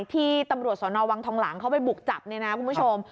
ที่ตำรวจสนวังทองหลังเขาไปบุกจับเนี่ยนะคุณผู้ชม